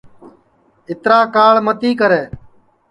اِترا کاݪ متی کرے